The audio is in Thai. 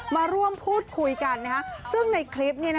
มาร่วมพูดคุยกันนะคะซึ่งในคลิปเนี่ยนะคะ